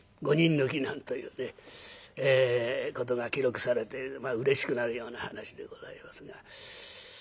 なんということが記録されてうれしくなるような話でございますが。